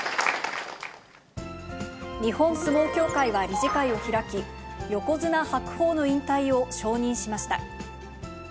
日本相撲協会は理事会を開き、横綱・白鵬の引退を承認しました。